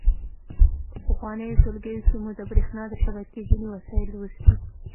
په پخوانیو ټولګیو کې مو د برېښنا د شبکې ځینې وسایل لوستي.